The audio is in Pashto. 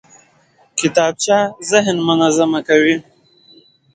کتابچه ذهن منظم کوي